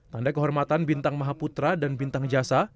tanda kehormatan bintang maha putra dan bintang jasa